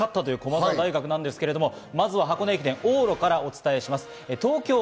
強さが光った駒澤大学ですが、まずは箱根駅伝・往路からお伝えします。